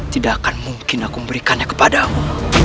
tidak akan mungkin aku memberikannya kepadamu